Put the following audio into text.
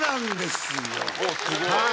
すごい。